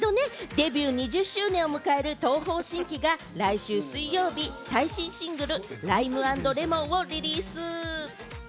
デビュー２０周年を迎える東方神起が来週水曜日、５１枚目となるシングル『Ｌｉｍｅ＆Ｌｅｍｏｎ』をリリース。